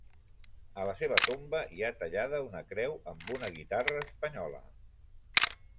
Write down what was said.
A la seva tomba hi ha tallada una creu amb una guitarra espanyola.